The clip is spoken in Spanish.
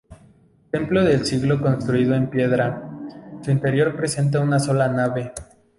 Templo del siglo construido en piedra, su interior presenta una sola nave.